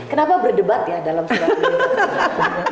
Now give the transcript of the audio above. kenapa berdebat ya dalam surat ini